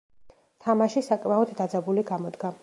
თამაში საკმაოდ დაძაბული გამოდგა.